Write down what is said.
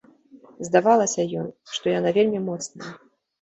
Здавалася ёй, што яна вельмі моцная.